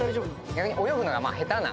逆に泳ぐのが下手な。